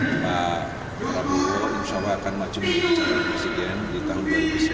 pak prabowo insya allah akan maju menjadi calon presiden di tahun dua ribu sembilan belas